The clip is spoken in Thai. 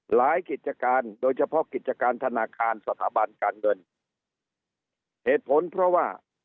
กิจการโดยเฉพาะกิจการธนาคารสถาบันการเงินเหตุผลเพราะว่า